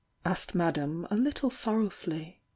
asked Madame a little sorrowfully.